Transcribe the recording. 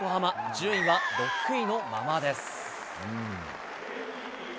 順位は６位のままです。